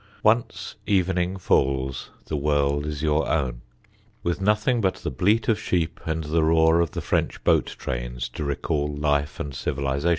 Once evening falls the world is your own, with nothing but the bleat of sheep and the roar of the French boat trains to recall life and civilisation.